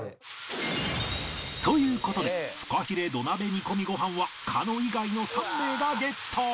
という事でフカヒレ土鍋煮込みご飯は狩野以外の３名がゲット